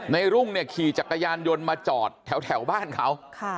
รุ่งเนี่ยขี่จักรยานยนต์มาจอดแถวบ้านเขา